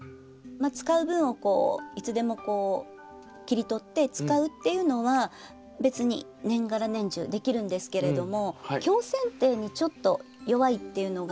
使う分をいつでもこう切り取って使うっていうのは別に年がら年中できるんですけれども強せん定にちょっと弱いっていうのが。